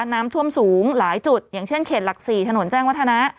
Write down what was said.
น้ำท่วมสูงหลายจุดอย่างเช่นเขตหลัก๔ถนนแจ้งวัฒนะ